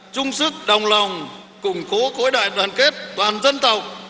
chung sức đồng lòng củng cố khối đại đoàn kết toàn dân tộc